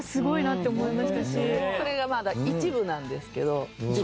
これがまだ一部なんですけど実は。